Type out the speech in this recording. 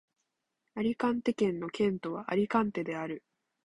アリカンテ県の県都はアリカンテである